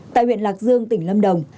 tại huyện lạc dương tỉnh lâm đồng